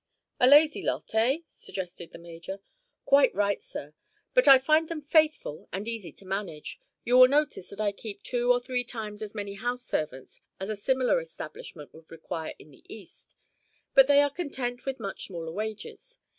"A lazy lot, eh?" suggested the major. "Quite right, sir. But I find them faithful and easy to manage. You will notice that I keep two or three times as many house servants as a similar establishment would require in the east; but they are content with much smaller wages.